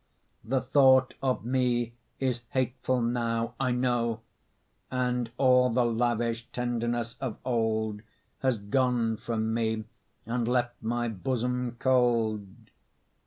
The thought of me is hateful now, I know; And all the lavish tenderness of old Has gone from me and left my bosom cold.